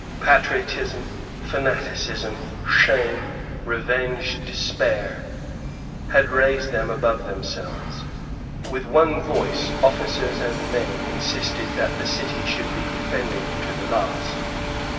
Patriotism, fanaticism, shame, revenge, despair, had raised them above themselves. With one voice officers and men insisted that the city should be defended to the last.